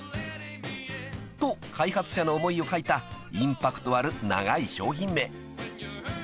［と開発者の思いを書いたインパクトある長い商品名］